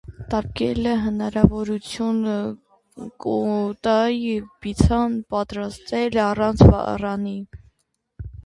Տապկելը հնարաւորութիւն կու տայ բիցցան պատրաստել առանց վառարանի։